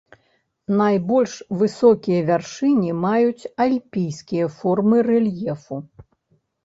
Найбольш высокія вяршыні маюць альпійскія формы рэльефу.